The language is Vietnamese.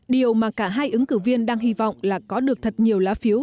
điều mà cả hai ứng cử viên đang hy vọng là có được thật nhiều lá phiếu